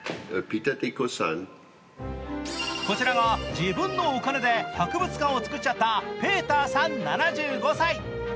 こちらは自分のお金で博物館をつくっちゃったペーターさん７５歳。